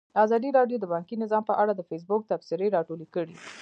ازادي راډیو د بانکي نظام په اړه د فیسبوک تبصرې راټولې کړي.